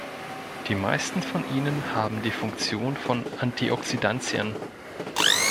Die meisten von ihnen haben die Funktion von Antioxidantien.